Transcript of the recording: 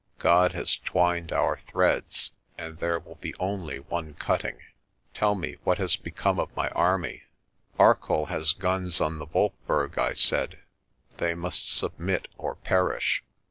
"God has twined our threads, and there will be only one cutting. Tell me what has become of my army." "Arcoll has guns on the Wolkberg," I said. "They must submit or perish."